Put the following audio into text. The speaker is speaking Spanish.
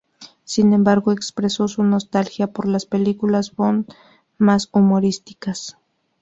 Sin embargo, expresó su nostalgia por las películas Bond más humorísticas.